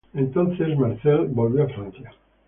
Entonces, Marcelle volvió a Francia.